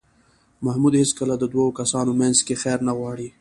محمود هېڅکله د دو کسانو منځ کې خیر نه غواړي.